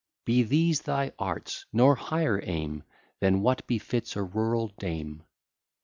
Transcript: Be these thy arts; nor higher aim Than what befits a rural dame.